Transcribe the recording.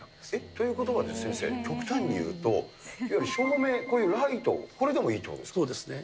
ということは先生、極端にいうと、いわゆる照明、こういうライト、これでもいいってことですそうですね。